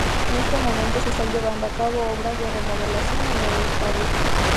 En este momento se están llevando a cabo obras de remodelación en el estadio.